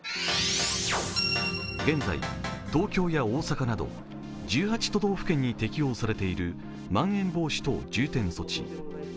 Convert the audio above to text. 現在、東京や大阪など１８都道府県に適用されているまん延防止等重点措置。